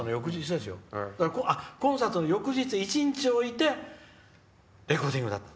コンサートの翌日、１日置いてレコーディングだった。